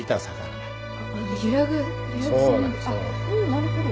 なるほど。